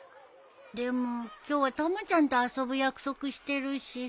でも今日はたまちゃんと遊ぶ約束してるし。